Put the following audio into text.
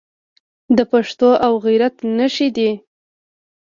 د پښتو او غیرت نښې دي.